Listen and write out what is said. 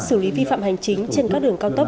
xử lý vi phạm hành chính trên các đường cao tốc